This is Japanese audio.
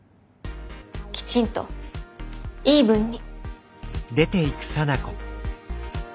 きちんとイーブンに。